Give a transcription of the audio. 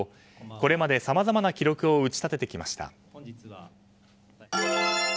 これまでさまざまな記録を打ち立ててきました。